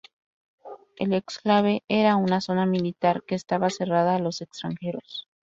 El exclave era una zona militar, que estaba cerrada a los extranjeros.